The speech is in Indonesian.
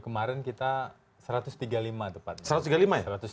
kemarin kita satu ratus tiga puluh lima tepatnya